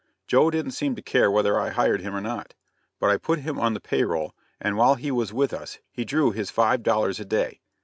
Joe didn't seem to care whether I hired him or not; but I put him on the pay roll, and while he was with us he drew his five dollars a day.